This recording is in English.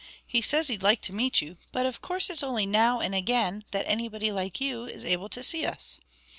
He says he'd like to meet you, but of course it's only now and again that anybody like you is able to see us."